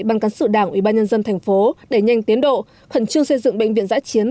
bằng cán sự đảng ubnd thành phố để nhanh tiến độ khẩn trương xây dựng bệnh viện giã chiến